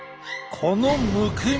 このむくみ。